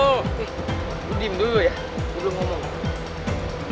nih lu diem dulu ya gue belum ngomong